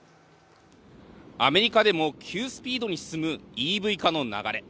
アメリカでも急スピードに進むＥＶ化の流れ。